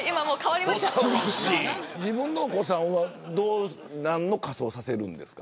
自分のお子さんは何の仮装させるんですか。